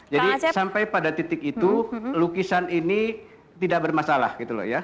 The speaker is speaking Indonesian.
jadi sampai pada titik itu lukisan ini tidak bermasalah gitu loh ya